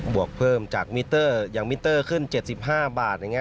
บวกเพิ่มจากมิเตอร์อย่างมิเตอร์ขึ้น๗๕บาท